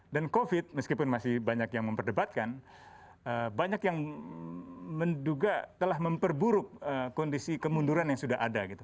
dan covid meskipun masih banyak yang memperdebatkan banyak yang menduga telah memperburuk kondisi kemunduran yang sudah ada